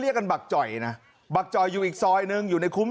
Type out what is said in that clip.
เรียกกันบักจ่อยนะบักจ่อยอยู่อีกซอยหนึ่งอยู่ในคุ้ม